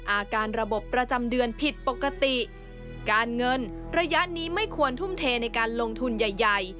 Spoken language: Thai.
อาการระบบประจำเดือนผิดปกติการเงินระยะนี้ไม่ควรทุ่มเทในการลงทุนใหญ่ใหญ่